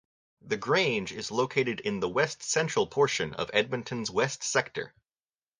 The Grange is located in the west-central portion of Edmonton's west sector.